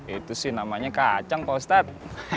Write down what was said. itu sih namanya kacang kok ustadz